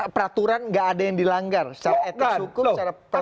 peraturan nggak ada yang dilanggar secara etik suku secara pratera hukum